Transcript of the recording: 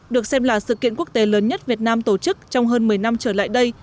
được xem là sự kiện quốc tế lớn nhất việt nam tổ chức trong hơn một mươi năm trở lại đây